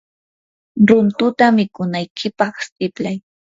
runtuta mikunaykipaq siplay.